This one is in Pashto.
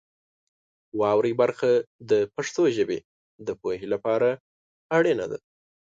واورئ برخه د پښتو ژبې د پوهې لپاره اړینه ده.